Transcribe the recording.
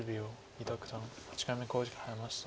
伊田九段８回目の考慮時間に入りました。